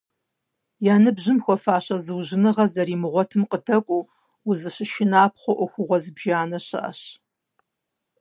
Я ныбжьым хуэфащэ зыужьыныгъэ зэримыгъуэтым къыдэкӀуэу, узыщышынапхъэу Ӏуэхугъуэ зыбжанэ щыӀэщ.